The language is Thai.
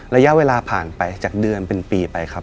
ระยะเวลาผ่านไปจากเดือนเป็นปีไปครับ